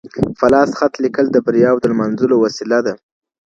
په لاس خط لیکل د بریاوو د لمانځلو وسیله ده.